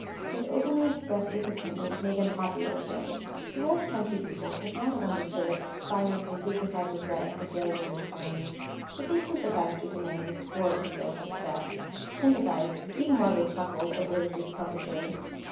His openly expressed disappointment made him popular again. The rough country people could not have understood silent and dignified regret at the failure of his plans, but they sympathized with a man who swore at his ill success—sympathized, even while they chuckled over his discomfiture.